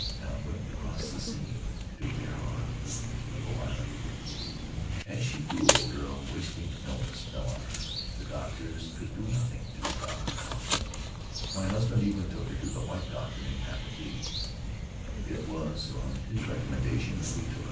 Downwind across the sea to Tetiaroa, the low island ... "As she grew older a wasting illness fell on her; the doctors could do nothing to stop her coughing; my husband even took her to the white doctor in Papeete — it was on his recommendation that we took her to sea.